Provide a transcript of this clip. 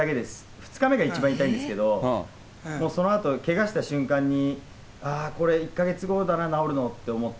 ２日目が一番痛いんですけれども、そのあと、けがした瞬間に、ああ、これ１か月後だな、治るのって思って。